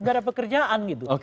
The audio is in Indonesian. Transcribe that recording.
gak ada pekerjaan gitu